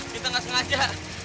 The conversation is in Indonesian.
kita nggak sengaja